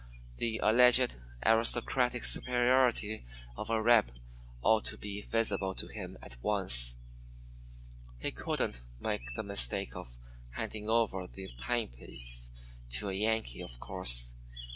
The alleged aristocratic superiority of a 'reb' ought to be visible to him at once. He couldn't make the mistake of handing over the timepiece to a Yankee, of course.